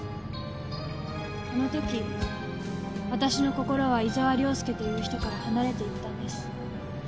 あの時私の心は伊沢良介という人から離れていったんです。